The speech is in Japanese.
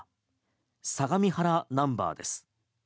相模原ナンバーです。